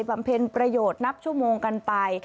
ำเพ็ญประโยชน์นับชั่วโมงกันไป